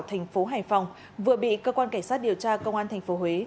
thành phố hải phòng vừa bị cơ quan cảnh sát điều tra công an thành phố huế